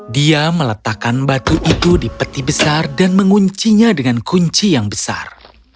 dia meletakkan batu itu di peti besar dan menguncinya dengan kunci yang besar